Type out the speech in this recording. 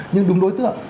nhưng đúng đối tượng